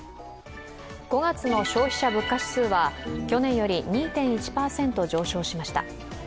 ５月の消費者物価指数は、去年より２．１％上昇しました。